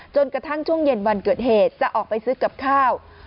จนกระทั่งช่วงเย็นวันเกิดเหตุจะออกไปซื้อกับข้าว